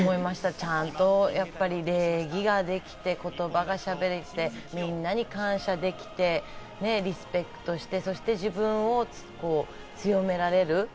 ちゃんと礼儀ができて言葉がしゃべれて、みんなに感謝できて、リスペクトして、そして自分を強められる。